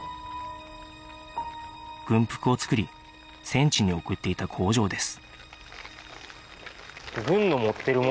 軍服を作り戦地に送っていた工場です